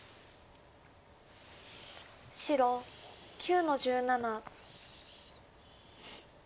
白９の十七。